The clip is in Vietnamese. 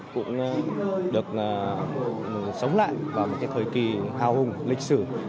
cũng được sống lại vào một cái thời kỳ hào hùng lịch sử